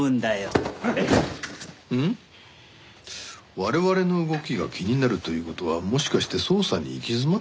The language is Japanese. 我々の動きが気になるという事はもしかして捜査に行き詰まってます？